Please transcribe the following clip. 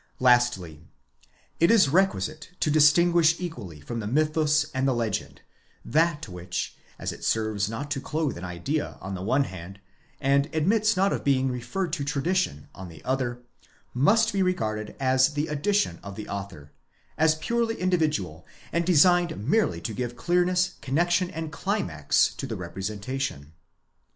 Lastly. It is requisite to distinguish equally from the mythus and the legend, that which, as it serves not to clothe an idea on the one hand, and admits not of being referred to tradition on the other, must be regarded as the addition of the author, as purely individual, and designed merely to give clearness, connexion, and climax, to the representation.